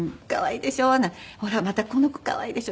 「ほらまたこの子可愛いでしょ」。